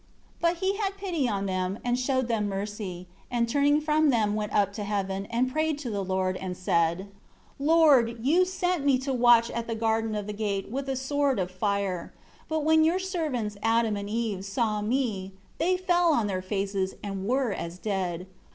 11 But he had pity on them, and showed them mercy; and turning from them went up to heaven, and prayed to the Lord, and said; 12 "Lord, You sent me to watch at the gate of the garden, with a sword of fire. 13 But when Your servants, Adam and Eve, saw me, they fell on their faces, and were as dead.